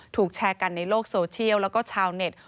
ถูกแชร์กันในโลกโซเชียลแล้วก็ชาวเน็ต